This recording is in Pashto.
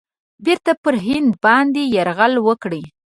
بیرته پر هند باندي یرغل وکړي.